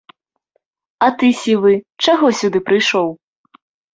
А ты, сівы, чаго сюды прыйшоў?